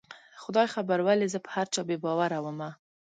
خدای خبر ولې زه په هر چا بې باوره ومه